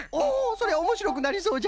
それおもしろくなりそうじゃ！